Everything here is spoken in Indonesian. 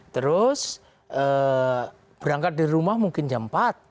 terus berangkat dari rumah mungkin jam empat